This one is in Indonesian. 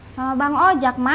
sama bang ojak ma